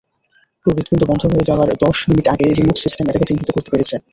ওর হৃৎপিণ্ড বন্ধ হয়ে যাওয়ার দশ মিনিট আগে রিমোট সিস্টেম এটাকে চিহ্নিত করতে পেরেছে।